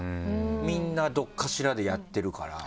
みんなどこかしらでやってるから。